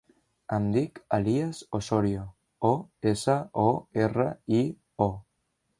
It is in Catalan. Em dic Elías Osorio: o, essa, o, erra, i, o.